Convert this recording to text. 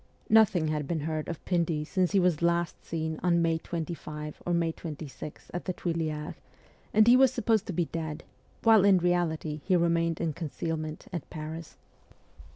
Nothing had been heard of Pindy since he was seen last on May 25 or May 26 at the Tuileries, and he was supposed to be dead, while in reality he remained in con cealment at Paris.